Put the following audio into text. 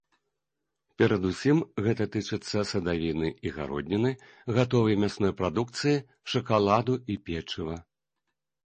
Перадусім гэта тычыцца садавіны і гародніны, гатовай мясной прадукцыі, шакаладу і печыва.